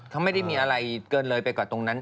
เขาไม่ได้มีอะไรเกินเลยไปกว่าตรงนั้น